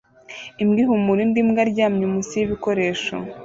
Imbwa ihumura indi mbwa aryamye munsi y'ibikoresho